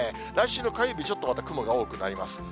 来週の火曜日、ちょっとまた雲が多くなります。